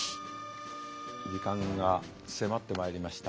時間が迫ってまいりました。